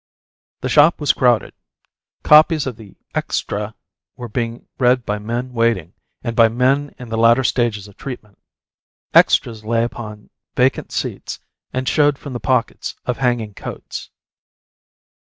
The shop was crowded. Copies of the "Extra" were being read by men waiting, and by men in the latter stages of treatment. "Extras" lay upon vacant seats and showed from the pockets of hanging coats.